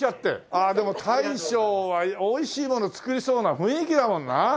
ああでも大将はおいしいもの作りそうな雰囲気だもんな。